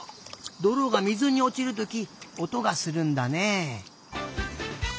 どろが水におちるときおとがするんだね。